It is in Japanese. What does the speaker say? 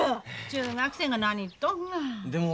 中学生が何言っとんが。